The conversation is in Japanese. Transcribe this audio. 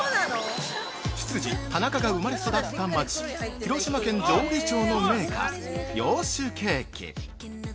◆執事・田中が生まれ育った町広島県・上下町の銘菓「洋酒ケーキ」